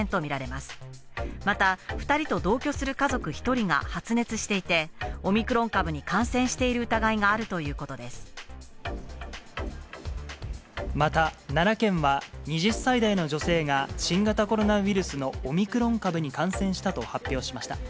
また、２人と同居する家族１人が発熱していて、オミクロン株に感染してまた、奈良県は、２０歳代の女性が新型コロナウイルスのオミクロン株に感染したと発表しました。